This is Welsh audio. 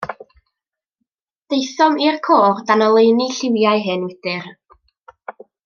Daethom i'r côr, dan oleuni lliwiau hen wydr.